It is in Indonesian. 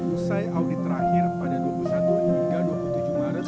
usai audit terakhir pada dua puluh satu hingga dua puluh tujuh maret dua ribu dua puluh tiga